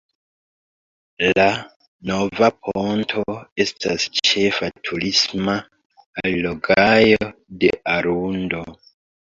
La "Nova Ponto" estas ĉefa turisma allogaĵo de Arundo.